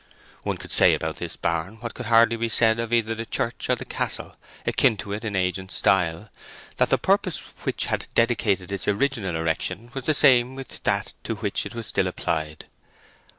One could say about this barn, what could hardly be said of either the church or the castle, akin to it in age and style, that the purpose which had dictated its original erection was the same with that to which it was still applied.